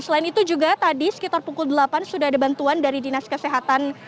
selain itu juga tadi sekitar pukul delapan sudah ada bantuan dari dinas kesehatan